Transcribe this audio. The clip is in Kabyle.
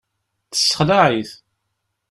Tessexlaε-it.